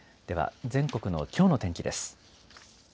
では全国のきょうの天気です。